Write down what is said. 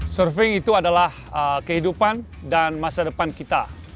surfing itu adalah kehidupan dan masa depan kita